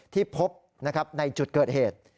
ที่พบในจุดเกิดเหตุ